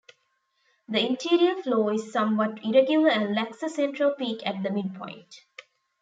The interior floor is somewhat irregular and lacks a central peak at the midpoint.